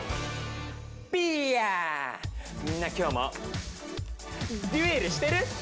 みんな今日もデュエルしてる？